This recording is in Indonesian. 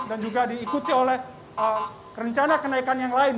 dan juga diikuti oleh rencana kenaikan yang lain